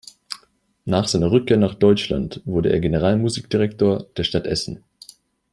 Nach seiner Rückkehr nach Deutschland wurde er Generalmusikdirektor der Stadt Essen.